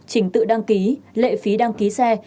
trình tự đăng ký lệ phí đăng ký xe